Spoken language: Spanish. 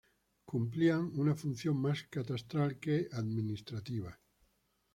Cumplían una función más catastral que administrativa.